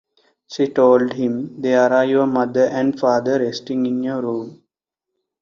She told him: 'There are your mother and father resting in your room.